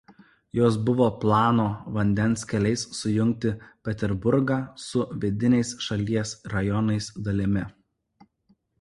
Jos buvo plano vandens keliais sujungti Peterburgą su vidiniais šalies rajonais dalimi.